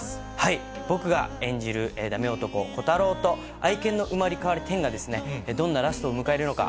僕が演じるダメ男、炬太郎と、愛犬の生まれ変わり、てんがですね、どんなラストを迎えるのか。